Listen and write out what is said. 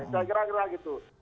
saya kira kira begitu